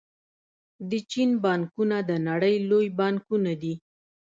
د چین بانکونه د نړۍ لوی بانکونه دي.